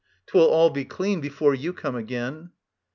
'Twill all be clean before you come again.